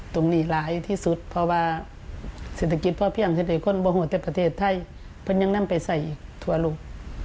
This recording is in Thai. จะได้คนบ่งหัวแต่ประเทศไทยเพราะยังนั่งไปใส่ถั่วลูก